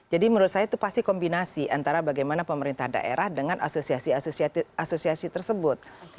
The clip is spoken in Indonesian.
jadi menurut saya itu pasti kombinasi antara bagaimana pemerintah daerah dengan asosiasi asosiasi tersebut